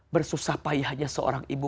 bersusah payahnya seorang ibu